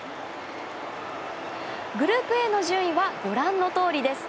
グループＡの順位はご覧のとおりです。